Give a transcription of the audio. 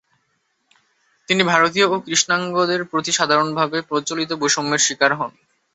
তিনি ভারতীয় ও কৃষ্ণাঙ্গদের প্রতি সাধারণভাবে প্রচলিত বৈষম্যের শিকার হন।